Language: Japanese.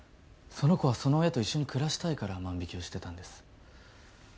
その子はその親と一緒に暮らしたいから万引をしてたんです。